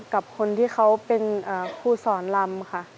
กับคนที่เขาเป็นครูสอนลำค่ะ